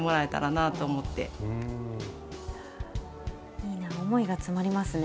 いいな思いが詰まりますね。